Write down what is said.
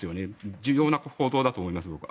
重要な報道だと思います。